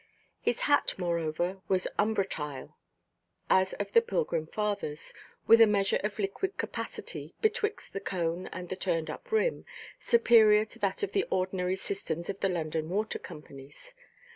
His hat, moreover, was umbratile, as of the Pilgrim Fathers, with a measure of liquid capacity (betwixt the cone and the turned–up rim) superior to that of the ordinary cisterns of the London water–companies.